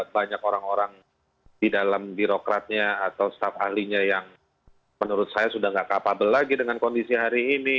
banyak orang orang di dalam birokratnya atau staf ahlinya yang menurut saya sudah tidak capable lagi dengan kondisi hari ini